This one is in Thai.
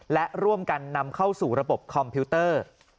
และร่วมกันนำเข้าสู่ระบบคอมพิวเตอร์